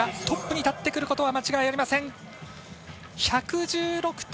トップに立ってくることは間違いありません。